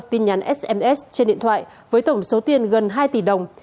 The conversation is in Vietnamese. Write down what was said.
tin nhắn sms trên điện thoại với tổng số tiền gần hai tỷ đồng